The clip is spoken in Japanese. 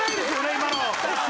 今の？